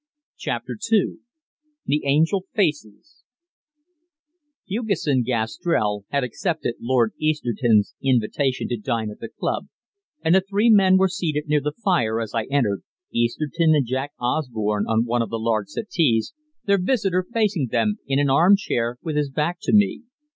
CHAPTER II THE ANGEL FACES Hugesson Gastrell had accepted Lord Easterton's invitation to dine at the club, and the three men were seated near the fire as I entered, Easterton and Jack Osborne on one of the large settees, their visitor facing them in an arm chair, with his back to me.